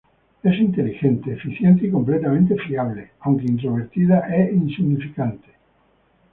Es inteligente, eficiente y completamente fiable, aunque introvertida e insignificante.